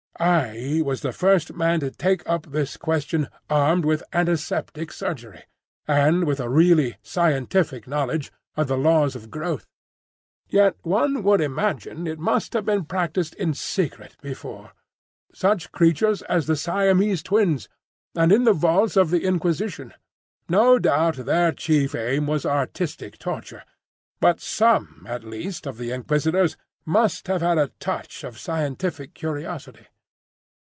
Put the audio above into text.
I was the first man to take up this question armed with antiseptic surgery, and with a really scientific knowledge of the laws of growth. Yet one would imagine it must have been practised in secret before. Such creatures as the Siamese Twins—And in the vaults of the Inquisition. No doubt their chief aim was artistic torture, but some at least of the inquisitors must have had a touch of scientific curiosity."